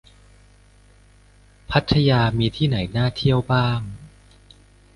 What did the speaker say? พัทยามีที่ไหนน่าเที่ยวบ้าง